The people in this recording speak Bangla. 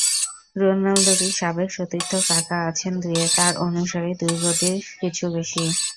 রোনালদোরই সাবেক সতীর্থ কাকা আছেন দুয়ে, তাঁর অনুসারী দুই কোটির কিছু বেশি।